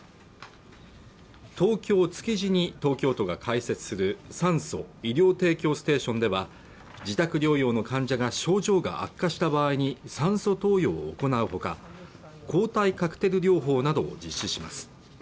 東京築地に東京都が開設する酸素・医療提供ステーションでは自宅療養の患者が症状が悪化した場合に酸素投与を行うほか抗体カクテル療法などを実施します